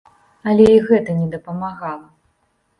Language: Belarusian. Але і гэта не дапамагала.